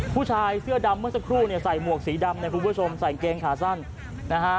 ผู้ชายเสื้อดำเมื่อสักครู่เนี่ยใส่หมวกสีดำเนี่ยคุณผู้ชมใส่เกงขาสั้นนะฮะ